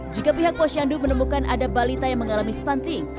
jika pihak posyandu menemukan ada balita yang mengalami stunting